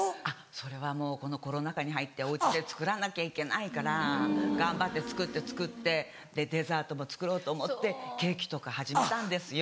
それはもうこのコロナ禍に入ってお家で作らなきゃいけないから頑張って作って作ってでデザートも作ろうと思ってケーキとか始めたんですよ。